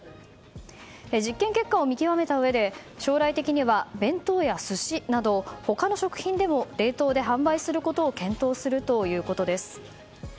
実験結果を見極めたうえで将来的には弁当や寿司など他の食品でも冷凍で販売することを検討するということです。